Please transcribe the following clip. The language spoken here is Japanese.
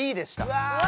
うわ！